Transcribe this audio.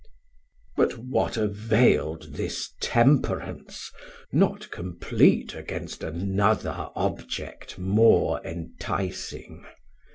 Sam. But what avail'd this temperance, not compleat Against another object more enticing?